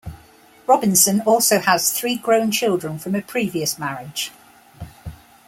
Robinson also has three grown children from a previous marriage.